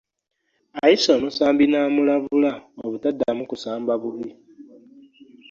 Ayise omusambi n'amulabula obutaddamu kusamba bubi.